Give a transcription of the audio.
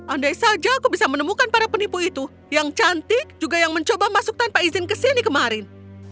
andai saja aku bisa menemukan para penipu itu yang cantik juga yang mencoba masuk tanpa izin ke sini kemarin